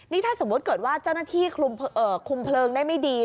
จะเกิดเจ้าหน้าที่ขึ้นคุมเพลิงได้ไม่ดี